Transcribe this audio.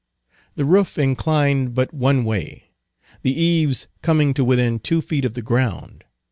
The roof inclined but one way; the eaves coming to within two feet of the ground.